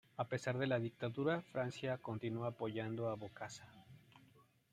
A pesar de la dictadura, Francia continuó apoyando a Bokassa.